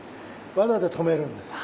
技で止めるんです。